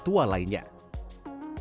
saya mengambil alih kota di jepang